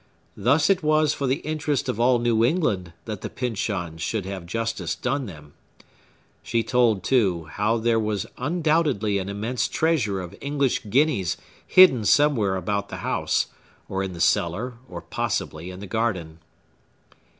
Thus it was for the interest of all New England that the Pyncheons should have justice done them. She told, too, how that there was undoubtedly an immense treasure of English guineas hidden somewhere about the house, or in the cellar, or possibly in the garden.